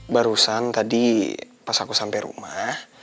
barusan tadi pas aku sampai rumah